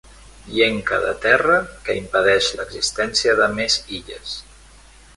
Llenca de terra que impedeix l'existència de més illes.